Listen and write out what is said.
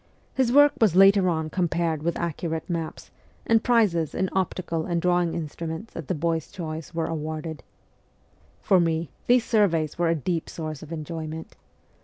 His work was later on com pared with accurate maps, and prizes in optical and drawing instruments at the boy's choice were awarded. For me these surveys were a deep source of enjoyment.